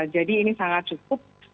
jadi ini sangat cukup